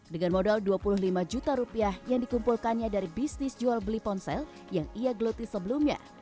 dengan modal dua puluh lima juta rupiah yang dikumpulkannya dari bisnis jual beli ponsel yang ia geluti sebelumnya